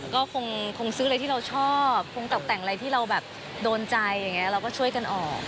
ก็คงซื้ออะไรที่เราชอบคงต่อกแต่งอะไรที่เราโดนใจเราก็ช่วยกันออก